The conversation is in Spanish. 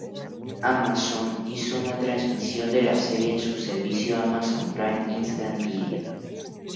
Amazon hizo una transmisión de la serie en su servicio Amazon Prime Instant Video.